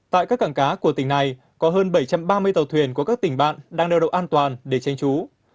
tại các cảng cá của tỉnh này có hơn bảy trăm ba mươi tàu thuyền của các tỉnh bạn đang neo đậu an toàn để tranh trú